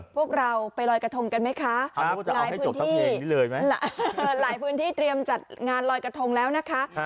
พวกเราไปลอยกระทงกันไหมคะหลายพื้นที่หลายพื้นที่เตรียมจัดงานลอยกระทงแล้วนะคะ